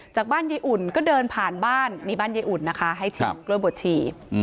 จากบ้านยายอุ่นก็เดินผ่านบ้านนี่บ้านยายอุ่นนะคะให้ชิมกล้วยบวชชี